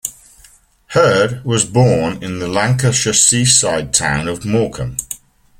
Hird was born in the Lancashire seaside town of Morecambe.